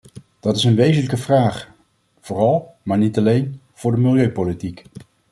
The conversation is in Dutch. Dit is een wezenlijke vraag, vooral, maar niet alleen, voor de milieupolitiek.